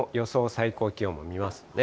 最高気温も見ますとね。